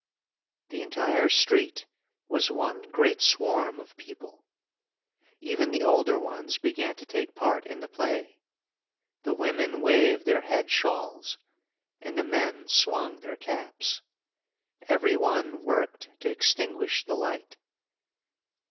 The entire street was one great swarm of people. Even the older ones began to take part in the play. The women waved their head shawls and the men swung their caps. Every one worked to extinguish the light.